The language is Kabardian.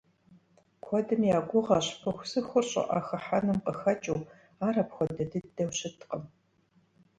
Куэдым я гугъэщ пыхусыхур щӀыӀэ хыхьэным къыхэкӀыу, ар апхуэдэ дыдэу щыткъым.